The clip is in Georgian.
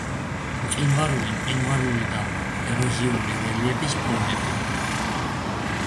მყინვარული, მყინვარული და ეროზიული რელიეფის ფორმები.